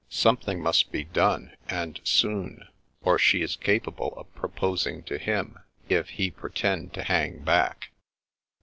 Something must be done, and soon, or she is capable of proposing to him, if he pretend to hang back."